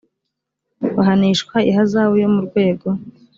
bahanishwa ihazabu yo mu rwego